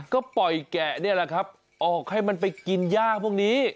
ก็ปล่อยแกะนี่แหละครับออกให้มันไปกินย่างพวกนี้